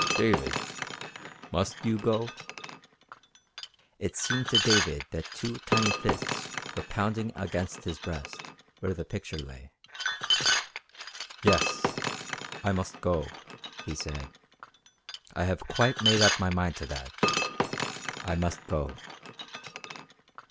David must you go?" It seemed to David that two tiny fists were pounding against his breast, where the picture lay. "Yes, I must go," he said. "I have quite made up my mind to that. I must go."